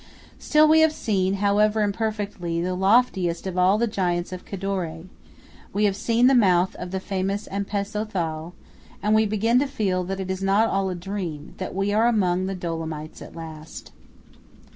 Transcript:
Still we have seen, however imperfectly, the loftiest of all the giants of Cadore; we have seen the mouth of the famous Ampezzo Thal, and we begin to feel that it is not all a dream, but that we are among the Dolomites at last.